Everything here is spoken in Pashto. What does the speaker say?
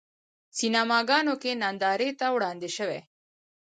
سینماګانو کې نندارې ته وړاندې شوی.